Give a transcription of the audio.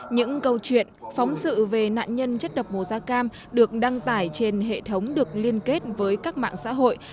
những câu chuyện phóng sự về nạn nhân chất độc màu da cam được đăng tải trên hệ thống được liên kết với các mạng xã hội